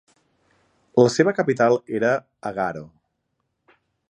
La seva capital era Agaro.